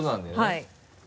はい。